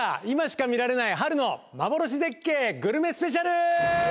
今しか見られない春の幻絶景グルメスペシャル』。